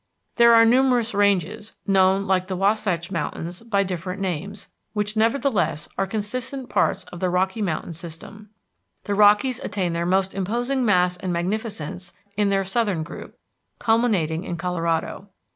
There are numerous ranges, known, like the Wasatch Mountains, by different names, which nevertheless are consistent parts of the Rocky Mountain System. The Rockies attain their most imposing mass and magnificence in their southern group, culminating in Colorado.